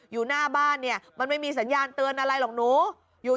อยู่หน้าบ้านมันไม่มีสัญญาณเตือนอะไรหรอกหนู